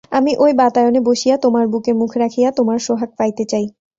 আমি ঐ বাতায়নে বসিয়া তােমার বুকে মুখ রাখিয়া তােমার সােহাগ পাইতে চাই।